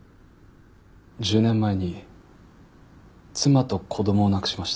１０年前に妻と子供を亡くしました。